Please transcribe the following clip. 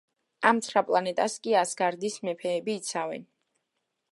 ამ ცხრა პლანეტას კი ასგარდის მეფეები იცავენ.